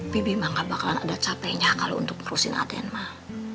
bebi mah gak bakalan ada capeknya kalau untuk merusin aden mah